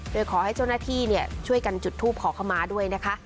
โดยขอให้เจ้าหน้าที่ช่วยกันจุดทูปขอเข้ามาด้วยนะคะ